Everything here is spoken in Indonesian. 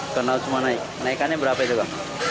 ikan laut semua naik kenaikannya berapa itu kan